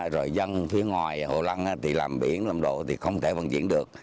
rồi dân phía ngoài hồ lân thì làm biển làm đồ thì không thể vận diện được